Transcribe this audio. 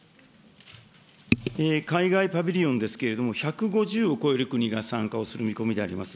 海外パビリオンですけれども、１５０を超える国が参加をする見込みであります。